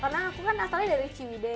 karena aku kan asalnya dari ciwidey